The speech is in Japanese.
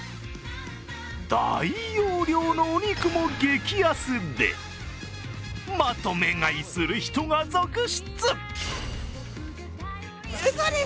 大容量のお肉も激安で、まとめ買いする人が続出。